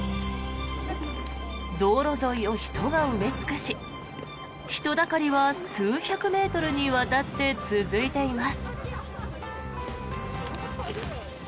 道路沿いを人が埋め尽くし人だかりは数百メートルにわたって続いています。